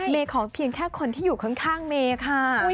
ขอเพียงแค่คนที่อยู่ข้างเมย์ค่ะ